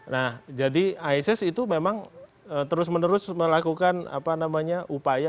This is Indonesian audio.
nah jadi isis itu memang terus menerus melakukan upaya